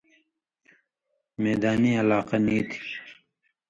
میدانی علاقہ نی تھی۔